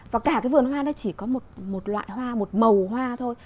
và cả cái vườn hoa nó chỉ có một loại hoa một màu hoa thôi